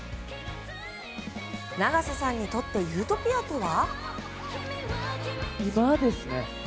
永瀬さんにとってユートピアとは？